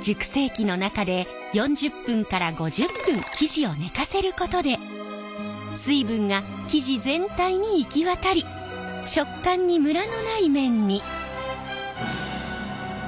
熟成機の中で４０分から５０分生地を寝かせることで水分が生地全体に行き渡り食感にムラのない麺に。